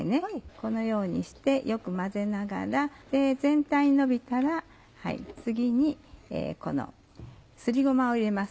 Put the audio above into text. このようにしてよく混ぜながら全体にのびたら次にすりごまを入れます。